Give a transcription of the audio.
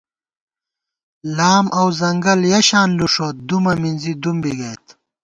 لام اؤ ځنگل یَہ شان لُوݭوت دُمہ مِنزی دُم بی گئیت